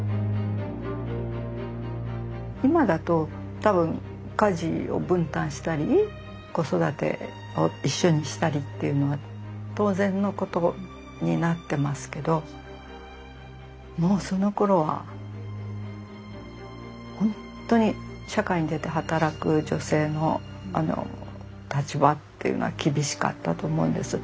今だと多分家事を分担したり子育てを一緒にしたりっていうのは当然のことになってますけどもうそのころはほんとに社会に出て働く女性の立場っていうのは厳しかったと思うんです。